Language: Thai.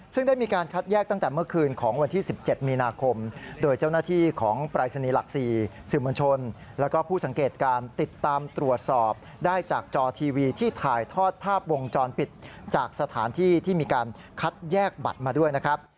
ซึ่งได้มีการคัดแยกตั้งแต่เมื่อคืนของวันที่๑๗มีนาคมโดยเจ้าหน้าที่ของปรายศนีย์หลัก๔สื่อมวลชนแล้วก็ผู้สังเกตการติดตามตรวจสอบได้จากจอทีวีที่ถ่ายทอดภาพวงจรปิดจากสถานที่ที่มีการคัดแยกบัตรมาด้วยนะครับ